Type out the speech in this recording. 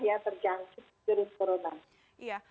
yang terjangkut terus corona